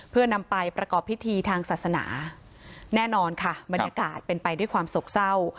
เพื่อนำไปประกอบพิธีทางศาสนาแน่นอนค่ะบรรยากาศเป็นไปด้วยความโศกเศร้า